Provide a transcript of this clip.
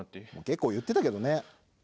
結構言ってたけどね。